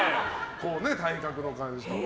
体格の感じとか。